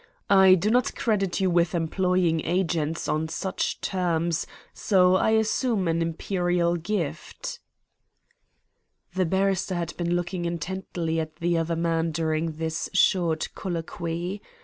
I do not credit you with employing agents on such terms, so I assume an Imperial gift." The barrister had been looking intently at the other man during this short colloquy.